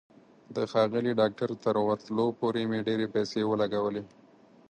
د ښاغلي ډاکټر تر ورتلو پورې مې ډېرې پیسې ولګولې.